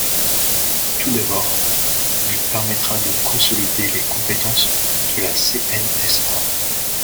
Tout d’abord, il permettra de consolider les compétences de la CNSA.